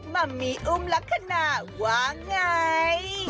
มัมมี่อุ้มลักษณะว่าไง